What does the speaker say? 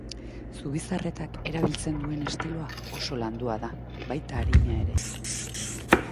Zubizarretak erabiltzen duen estiloa oso landua da, baita arina ere.